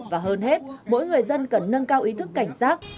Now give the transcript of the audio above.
và hơn hết mỗi người dân cần nâng cao ý thức cảnh giác